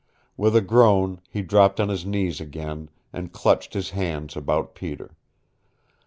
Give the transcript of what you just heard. With a groan he dropped on his knees again, and clutched his hands about Peter.